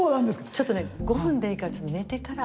ちょっとね５分でいいから寝てから。